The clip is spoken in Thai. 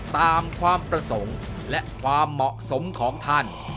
ตามความประสงค์และความเหมาะสมของท่าน